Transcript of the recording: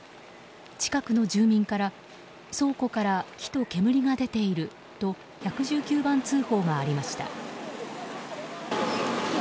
近くの住民から倉庫から火と煙が出ていると１１９番通報がありました。